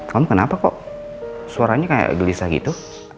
kamu kenapa kok suaranya kayak gelisah gitu